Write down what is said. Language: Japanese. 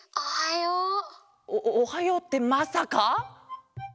おおはようってまさか！？